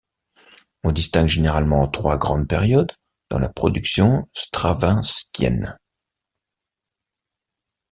On distingue généralement trois grandes périodes dans la production stravinskienne.